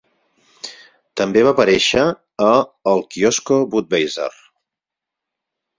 També va aparèixer a "El Kiosko Budweiser".